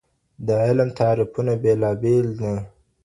د علم تعريفونه بېلابېل دي.